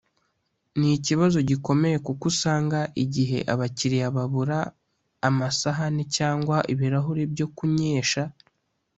ni ikibazo gikomeye kuko usanga igihe abakiriya babura amasahane cyangwa ibirahure byo kunyesha